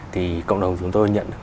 thì cộng đồng chúng tôi nhận